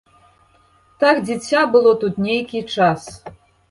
Так дзіця было тут нейкі час.